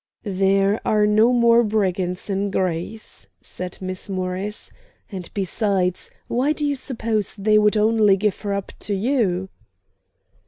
"There are no more brigands in Greece," said Miss Morris; "and besides, why do you suppose they would only give her up to you?"